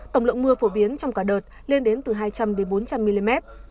tổng lượng mưa phổ biến trong cả đợt lên đến từ hai trăm linh bốn trăm linh mm